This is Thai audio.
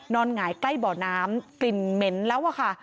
นอนหงายใกล้เบาะน้ำกลิ่นเหม็นแล้วค่ะ